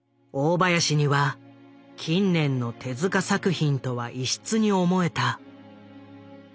林には近年の手作品とは異質に思えた。